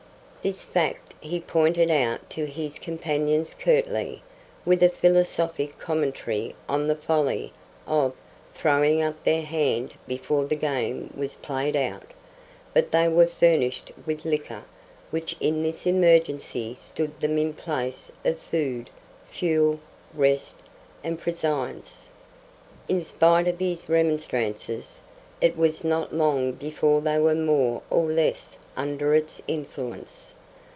This fact he pointed out to his companions curtly, with a philosophic commentary on the folly of "throwing up their hand before the game was played out." But they were furnished with liquor, which in this emergency stood them in place of food, fuel, rest, and prescience. In spite of his remonstrances, it was not long before they were more or less under its influence.